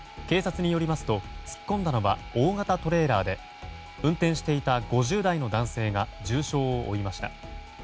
警察によりますと突っ込んだのは大型トレーラーで運転していた５０代の男性が重傷を負いました。